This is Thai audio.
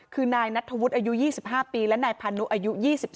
คือนายนัทธวุฒิอายุ๒๕ปีและนายพานุอายุ๒๓